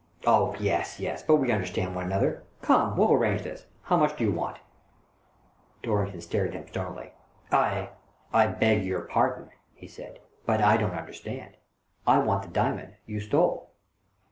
" Oh, yes, yes, but we understand one another. Come, we'll arrange this. How much do you want?" 140 THE DORRINGTON DEED BOX Dorrington stared at him stonily. "I — I beg your pardon," he said, "but I don't understand. I want the diamond you stole."